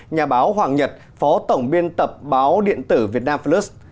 nhà báo hoàng nhật phó tổng biên tập báo điện tử vietnam plus